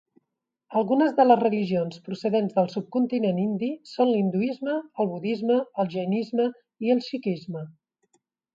Algunes de les religions procedents del subcontinent indi són l'hinduisme, el budisme, el jainisme i el sikhisme.